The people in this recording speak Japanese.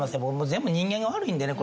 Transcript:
全部人間が悪いんでね